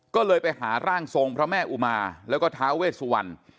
ก็เลยไปหาร่างทรงพระแม่อุมาแล้วก็ท้าเวสวรรณ